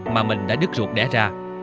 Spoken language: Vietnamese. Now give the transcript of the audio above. mà mình đã đứt ruột đẻ ra